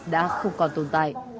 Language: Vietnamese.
đã không còn tồn tại